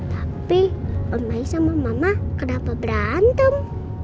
tapi om mais sama mama kenapa berantem